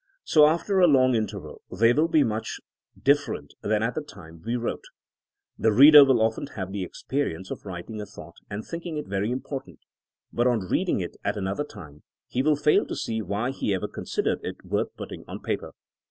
So after a long interval they will be much different than at the time we wrote. The reader will often have the expe rience of '* writing a thought and thinking it very important, but on reading it at another time he will fail to see why he ever considered it worth putting on paper.